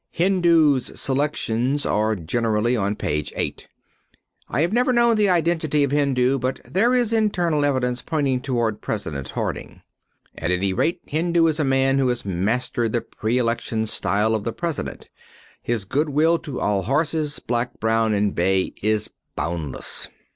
Hindoo's selections are generally on page eight. I have never known the identity of Hindoo, but there is internal evidence pointing toward President Harding. At any rate, Hindoo is a man who has mastered the pre election style of the President. His good will to all horses, black, brown and bay, is boundless.